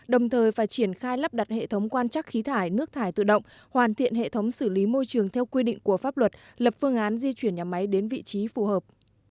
đồng thời phải triển khai lắp đặt hệ thống quan trắc khí thải nước thải tự động hoàn thiện hệ thống xử lý môi trường theo quy định của pháp luật lập phương án di chuyển nhà máy đến vị trí phù hợp